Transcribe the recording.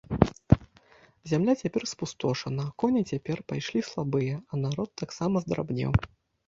Зямля цяпер спустошана, коні цяпер пайшлі слабыя, а народ таксама здрабнеў.